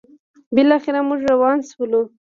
بالاخره موږ روان شولو: